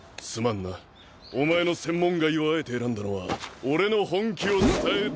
すまんなお前の専門外をあえて選んだのは俺の本気を伝え。